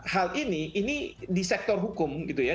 hal ini ini di sektor hukum gitu ya